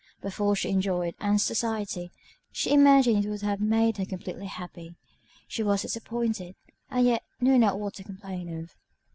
Before she enjoyed Ann's society, she imagined it would have made her completely happy: she was disappointed, and yet knew not what to complain of.